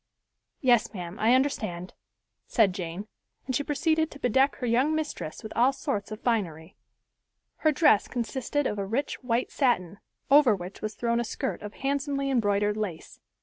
"Yes, ma'am, I understand," said Jane, and she proceeded to bedeck her young mistress with all sorts of finery. Her dress consisted of a rich, white satin, over which was thrown a skirt of handsomely embroidered lace.